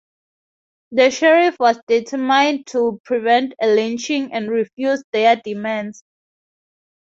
The sheriff was determined to prevent a lynching and refused their demands.